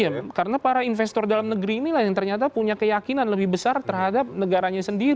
iya karena para investor dalam negeri inilah yang ternyata punya keyakinan lebih besar terhadap negaranya sendiri